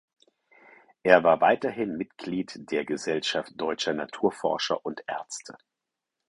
Er war weiterhin Mitglied der Gesellschaft Deutscher Naturforscher und Ärzte.